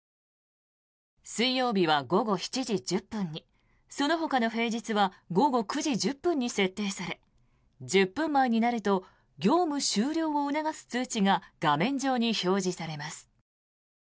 水曜日は午後７時１０分にそのほかの平日は午後９時１０分に設定され１０分前になると業務終了を促す通知が画面上に表示されます。